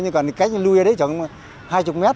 nhưng mà cách lùi ra đấy chẳng có hai mươi mét